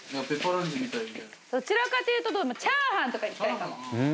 どちらかというとチャーハンとかに近いかも。